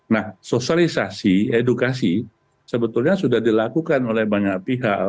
nah sosialisasi edukasi sebetulnya sudah dilakukan oleh banyak pihak